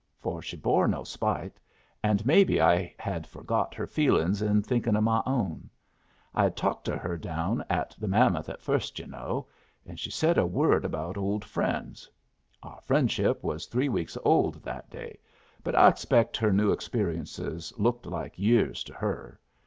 For she bore no spite, and maybe I had forgot her feelings in thinkin' of my own. I had talked to her down at the Mammoth at first, yu' know, and she said a word about old friends. Our friendship was three weeks old that day, but I expect her new experiences looked like years to her.